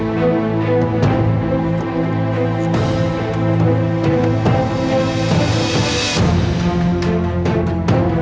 saya harus berpala pala di sini